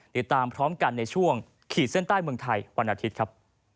ติดตามพร้อมกันในช่วงขีดเส้นใต้เมืองไทยวันอาทิตย์ครับ